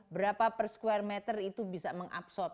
berapa per square meter itu bisa mengabsorb